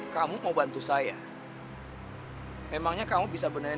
kenapa om siapa yang jadi kayak kayak gimana